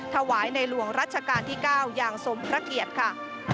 ถวายในหลวงรัชกาลที่๙อย่างสมพระเกียรติค่ะ